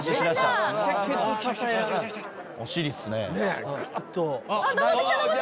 お尻っすね。